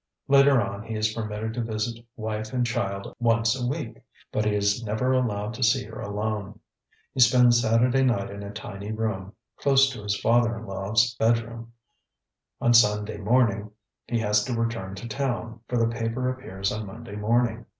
Later on he is permitted to visit wife and child once a week, but he is never allowed to see her alone. He spends Saturday night in a tiny room, close to his father in lawŌĆÖs bedroom. On Sunday morning he has to return to town, for the paper appears on Monday morning....